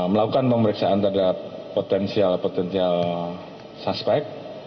melakukan pemeriksaan terhadap potensial potensial suspek